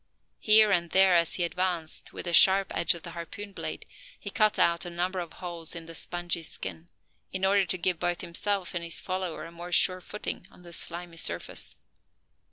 Here and there as he advanced, with the sharp edge of the harpoon blade; he cut out a number of holes in the spongy skin, in order to give both himself and his follower a more sure footing on the slimy surface.